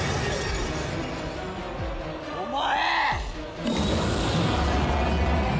お前！